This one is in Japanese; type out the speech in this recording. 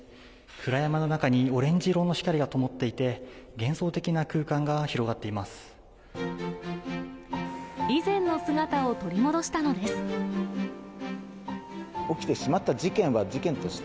暗闇の中にオレンジ色の光がともっていて、幻想的な空間が広がっ以前の姿を取り戻したのです。